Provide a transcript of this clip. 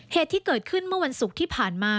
เหตุที่เกิดขึ้นเมื่อวันศุกร์ที่ผ่านมา